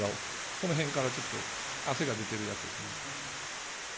このへんからちょっと、汗が出てるやつですね。